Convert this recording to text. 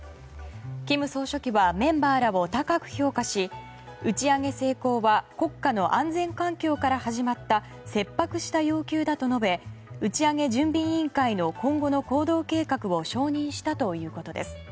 金総書記はメンバーらを高く評価し打ち上げ成功は国家の安全環境から始まった切迫した要求だと述べ打ち上げ準備委員会の今後の行動計画を承認したということです。